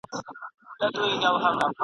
مُلا پاچا وي چړي وزیر وي ..